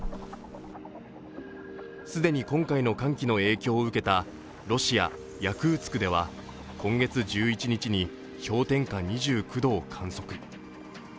既に今回の寒気の影響を受けたロシア・ヤクーツクでは今月１１日に氷点下２９度を観測。